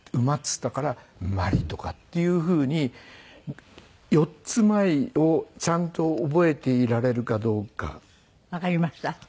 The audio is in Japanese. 「馬」って言ったから「まり」とかっていうふうに４つ前をちゃんと覚えていられるかどうか。